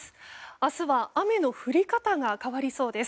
明日は雨の降り方が変わりそうです。